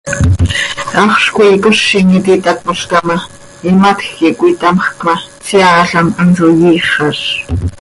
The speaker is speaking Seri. Haxöl coi icozim iti itácmolca ma, imatj quih cöitamjc ma, tseaalam hanso yiixaz.